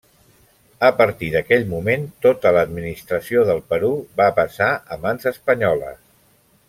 A partir d'aquell moment, tota l'administració del Perú va passar a mans espanyoles.